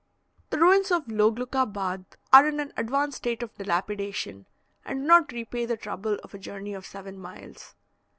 The ruins of Loglukabad are in an advanced state of dilapidation, and do not repay the trouble of a journey of seven miles.